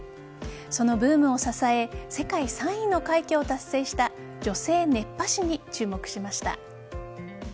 そのブームを支え世界３位の快挙を達成した女性熱波師に注目しました。